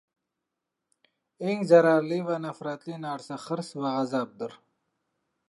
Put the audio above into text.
Eng zararli va nafratli narsa hirs va g‘azabdir.